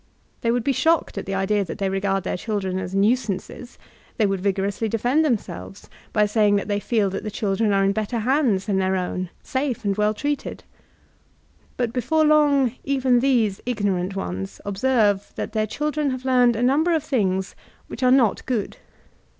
They would be shocked at the idea that they regard their children as nuisances; they would vigorously de fend themsdves by saying that they fed that the chil dren are in better hands than thdr own, safe and well treated. But before long even these ignorant ones ob serve that their children have learned a number of things which are not good.